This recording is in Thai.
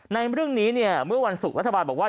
ในเรื่องนี้เนี่ยเมื่อวันศุกร์รัฐบาลบอกว่า